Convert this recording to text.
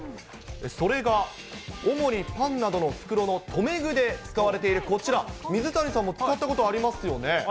それが主にパンなどの袋の留め具で使われているこちら、水谷さんありますね。